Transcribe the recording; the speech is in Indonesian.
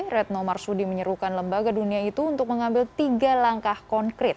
retno marsudi menyerukan lembaga dunia itu untuk mengambil tiga langkah konkret